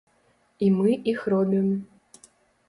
І мы іх робім.